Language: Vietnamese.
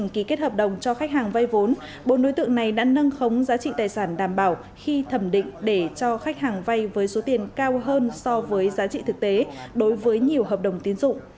ký kết hợp đồng cho khách hàng vay vốn bốn đối tượng này đã nâng khống giá trị tài sản đảm bảo khi thẩm định để cho khách hàng vay với số tiền cao hơn so với giá trị thực tế đối với nhiều hợp đồng tiến dụng